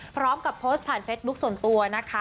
พร้อมกับโพสต์ผ่านเฟสบุ๊คส่วนตัวนะคะ